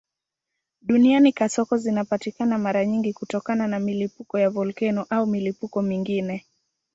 Duniani kasoko zinapatikana mara nyingi kutokana na milipuko ya volkeno au milipuko mingine.